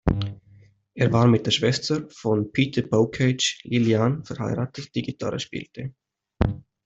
Er war mit der Schwester von Peter Bocage, Lillian, verheiratet, die Gitarre spielte.